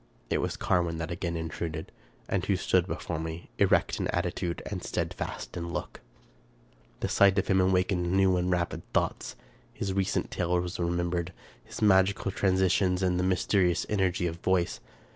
It was Carwin that again int« uded, and who stood before me, erect in attitude and stead last in look! The sight of him awakened new and rapid thoughts. His recent tale was remembered ; his magical transitions and mysterious energy of voice.